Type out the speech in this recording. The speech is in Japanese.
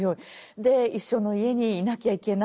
で一緒の家にいなきゃいけない。